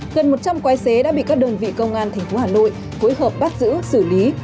gần một trăm linh quái xế đã bị các đơn vị công an tp hà nội phối hợp bắt giữ xử lý